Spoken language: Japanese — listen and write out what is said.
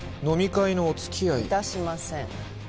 「飲み会のお付き合い」致しません。